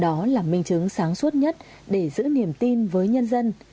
đó là minh chứng sáng suốt nhất để giữ niềm tin với nhân dân